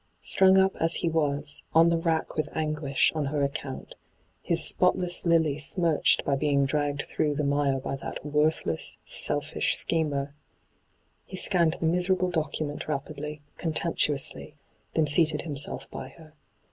Strung up as he was — on the rack with anguish on her account, his ' spotless lily ' smirched by being dragged through the mire by that worthless, selfish schemer — he scanned the miserable document rapidly, contemptu ously, then seated himself by her.